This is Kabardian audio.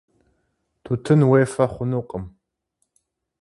Tutın vuêfe xhunukhım.